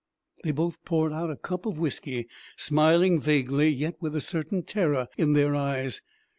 They both poured out a cup of whiskey, smiling vaguely, yet with a certain terror in their eyes.